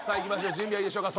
準備はいいでしょうか？